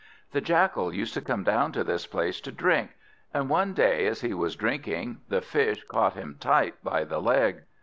The Jackal used to come down to this place to drink, and one day, as he was drinking, the Fish caught him tight by the leg.